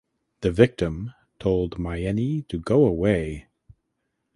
The victim told Myeni to go away.